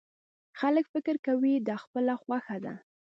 خلک فکر کوي دا خپله خوښه ده.